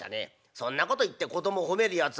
そんなこと言って子供褒めるやつは。